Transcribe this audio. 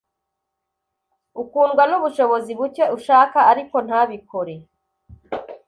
ukundwa nubushobozi buke Ushaka ariko ntabikore